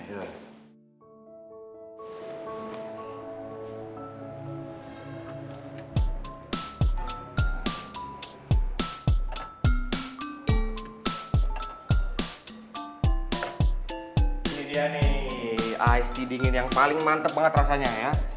ini dia nih ice tea dingin yang paling mantep banget rasanya ya